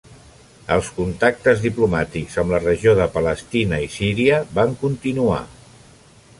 Els contactes diplomàtics amb la regió de Palestina i Síria van continuar.